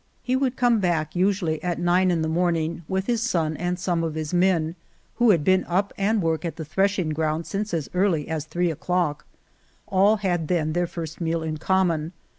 He would come back usually at nine in the morning, with his son and some of his men, 31 Argamasilla who had been up and at work at the thresh ing ground since as early as three o'clock. All had then their first meal in common.